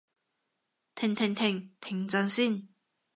停停停！停陣先